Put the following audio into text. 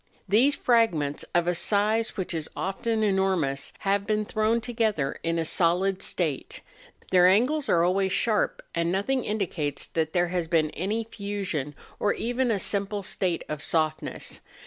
These frag¬ ments, of a size which is often enormous, have been thrown together in a solid state; their angles are always sharp, and nothing indicates that there has been any fusion, or even a simple state of softness.